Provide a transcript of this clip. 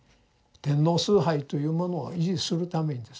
天皇崇拝というものを維持するためにですね